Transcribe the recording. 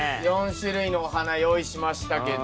４種類のお花用意しましたけど。